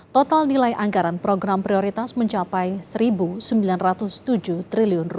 total nilai anggaran program prioritas mencapai rp satu sembilan ratus tujuh triliun